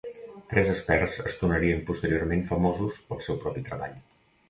Tres extres es tornarien posteriorment famosos pel seu propi treball.